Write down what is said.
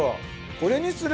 これにする？